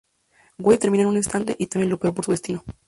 Woody termina en un estante y teme lo peor por su destino.